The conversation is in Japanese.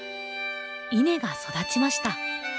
稲が育ちました。